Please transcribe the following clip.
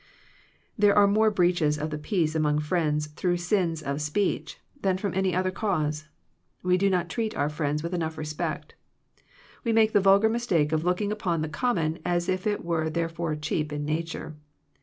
There are more breaches of the peace among friends through sins of speech, than from any other cause. We do not treat our friends with enough respect We make the vulgar mistake of looking upon the common as if it were there fore cheap in nature.